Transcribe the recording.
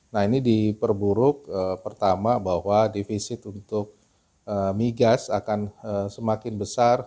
nah ini diperburuk pertama bahwa defisit untuk migas akan semakin besar